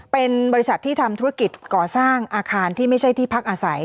เป็นบริษัทที่ทำธุรกิจก่อสร้างอาคารที่ไม่ใช่ที่พักอาศัย